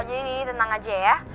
jadi tenang aja ya